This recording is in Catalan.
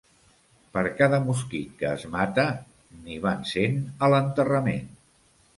Per cada mosquit que es mata, n'hi van cent a l'enterrament.